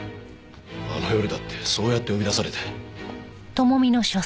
あの夜だってそうやって呼び出されて。